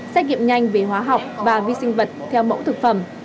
xét nghiệm nhanh về hóa học và vi sinh vật theo mẫu thực phẩm